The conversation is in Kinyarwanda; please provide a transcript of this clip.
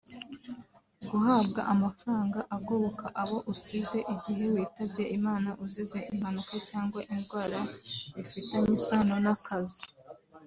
Guhabwa amafaranga agoboka abo usize igihe witabye Imana uzize impanuka cyangwa indwara bifitanye isano n’akazi